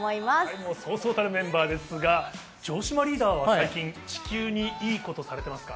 もうそうそうたるメンバーですが、城島リーダーは最近、地球にいいことされてますか。